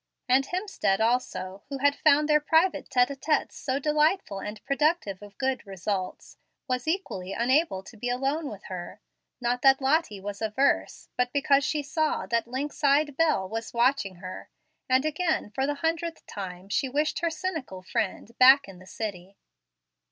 And Hemstead also, who had found their private tete a tetes so delightful and productive of good results, was equally unable to be alone with her. Not that Lottie was averse, but because she saw that lynx eyed Bel was watching her; and again for the hundredth time she wished her cynical friend back in the city.